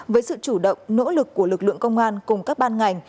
với sự chủ động nỗ lực của lực lượng công an cùng các ban ngành